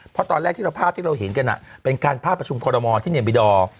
เพราะตอนแรกที่เราภาพที่เราเห็นกันเป็นการภาพประชุมคอรมอลที่เนมบิดอร์